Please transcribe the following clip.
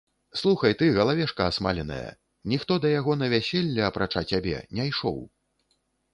Слухай ты, галавешка асмаленая, ніхто да яго на вяселле, апрача цябе, не ішоў.